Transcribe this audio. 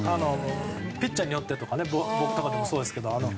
ピッチャーによってとか僕とかもそうですが。